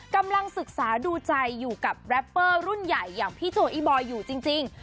กำลังศึกษาดูใจอยู่กับแรปเปอร์รุ่นใหญ่อย่างพี่โจอีบอยอยู่จริง